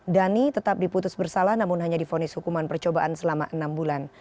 dhani tetap diputus bersalah namun hanya difonis hukuman percobaan selama enam bulan